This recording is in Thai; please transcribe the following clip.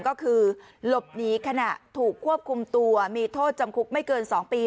ก็คือหลบหนีขณะถูกควบคุมตัวมีโทษจำคุกไม่เกิน๒ปี